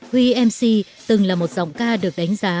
huy mc từng là một giọng ca được đánh giá